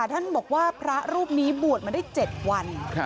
ท่านบอกว่าพระรูปนี้บวชมาได้๗วัน